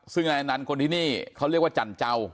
ซึ่งนายอนันต์คนที่นี่เขาเรียกว่าจันเจ้า